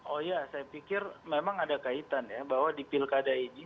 oh iya saya pikir memang ada kaitan ya bahwa di pilkada ini